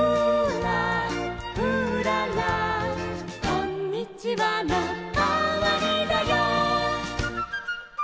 「こんにちはのかわりだよ」